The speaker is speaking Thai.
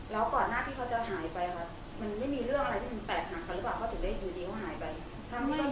แล้วก่อนหน้าที่เขาจะหายไปค่ะมันไม่มีเรื่องอะไรที่มันแตกหักกันหรือเปล่า